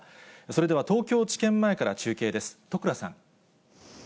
それでは東京地検前から中継です、戸倉さん。